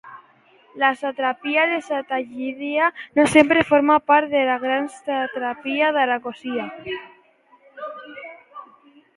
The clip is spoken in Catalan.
La satrapia de Sattagídia no sempre formava part de la gran satrapia d'Aracòsia.